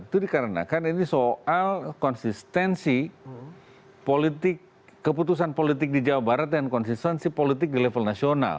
itu dikarenakan ini soal konsistensi politik keputusan politik di jawa barat dan konsistensi politik di level nasional